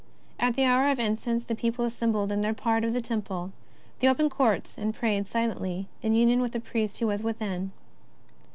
At the hour of incense the people assembled in their part of the Temple, the open Courts, and prayed silently, in union with the priest who was within.